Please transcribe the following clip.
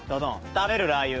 食べるラー油。